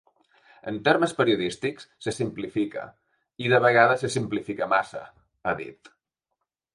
En termes periodístics se simplifica i de vegades se simplifica massa, ha dit.